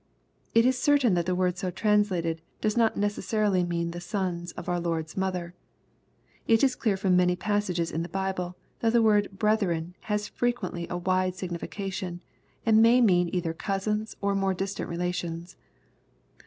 It is certain that the word so translated, does not necessarily mean the sons of our Lord's mother. It is clear, from many passages in the Bible, that the word " brethren " has fre quently a wide signification, and may mean either cousins, or more distant relations.